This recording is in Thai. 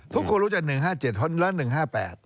ทุกคนรู้จัก๑๕๗และ๑๕๘